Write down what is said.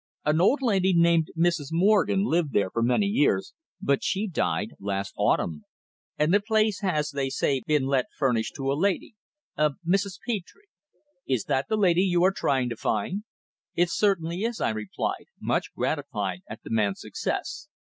An old lady named Miss Morgan lived there for many years, but she died last autumn, and the place has, they say, been let furnished to a lady a Mrs. Petre. Is that the lady you are trying to find?" "It certainly is," I replied, much gratified at the man's success.